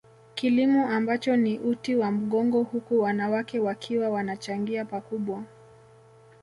Kilimo ambacho ni uti wa mgongo huku wanawake wakiwa wanachangia pakubwa